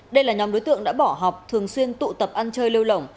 đây là nhóm đối tượng đã bỏ học thường xuyên tụ tập ăn chơi lêu lỏng